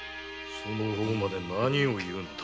その方まで何を言うのだ。